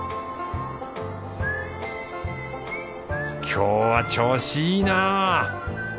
今日は調子いいなぁ。